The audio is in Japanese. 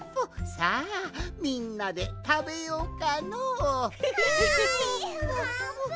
さあみんなでたべようかの。わい！